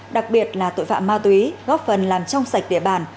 đặc biệt là tội phạm ma túy góp phần làm trong sạch địa bàn